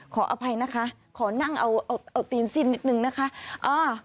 ขออภัยนะคะขอนั่งเอาเอาตีนสิ้นนิดนึงนะคะอ่า